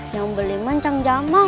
yang beli mah ncang jamal